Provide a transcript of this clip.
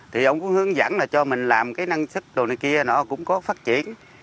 thì ông có hướng dẫn là cho mình làm cái năng sức đồ này kia nó cũng có phát triển